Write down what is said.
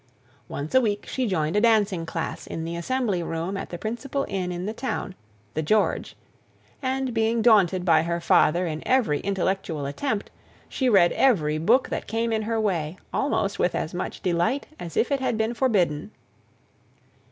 Once a week she joined a dancing class in the assembly room at the principal inn in the town: the "George;" and, being daunted by her father in every intellectual attempt, she read every book that came in her way, almost with as much delight as if it had been forbidden.